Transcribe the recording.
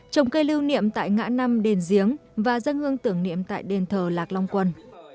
trồng cây lưu niệm tại ngã năm đền giếng và dân hương tưởng niệm tại đền thờ lạc long quân